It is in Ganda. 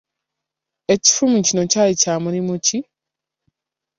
Ekifumu kino kyali kya mulimu ki?